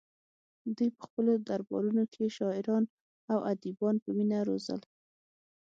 دوی په خپلو دربارونو کې شاعران او ادیبان په مینه روزل